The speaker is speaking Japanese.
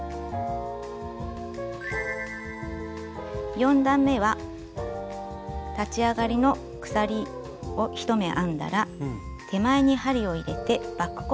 ４段めは立ち上がりの鎖を１目編んだら手前に針を入れてバック細編みを編みます。